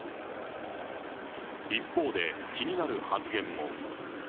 一方で、気になる発言も。